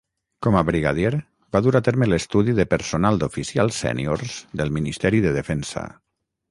Com a brigadier, va dur a terme l'estudi de personal d'oficials sèniors del Ministeri de Defensa.